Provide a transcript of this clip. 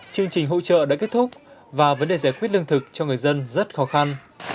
chương trình hỗ trợ đã kết thúc và vấn đề giải quyết lương thực cho người dân rất khó khăn